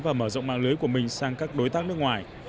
và mở rộng mạng lưới của mình sang các đối tác nước ngoài